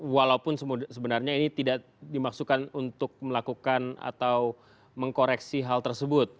walaupun sebenarnya ini tidak dimaksudkan untuk melakukan atau mengkoreksi hal tersebut